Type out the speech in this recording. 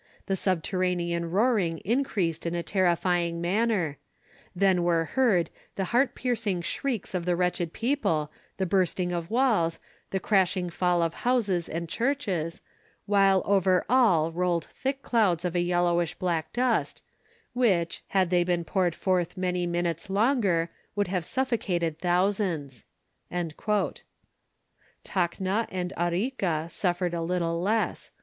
The subterranean roaring increased in a terrifying manner; then were heard the heart piercing shrieks of the wretched people, the bursting of walls, the crashing fall of houses and churches, while over all rolled thick clouds of a yellowish black dust, which, had they been poured forth many minutes longer, would have suffocated thousands." Tacna and Arica suffered little less.